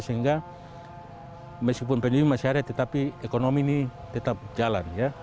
sehingga meskipun pandemi masih ada tetapi ekonomi ini tetap jalan